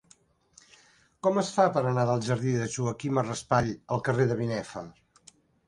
Com es fa per anar del jardí de Joaquima Raspall al carrer de Binèfar?